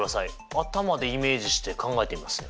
頭でイメージして考えてみますね。